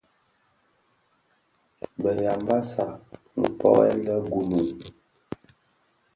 Bë Yambassa nkpoňèn le (Gunu),